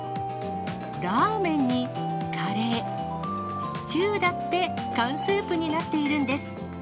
ラーメンにカレー、シチューだって缶スープになっているんです。